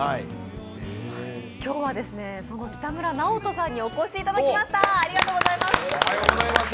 今日は北村直登さんにお越しいただきました。